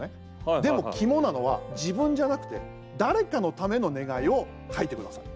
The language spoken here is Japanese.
でも肝なのは、自分じゃなくて誰かのための願いを書いてくださいと。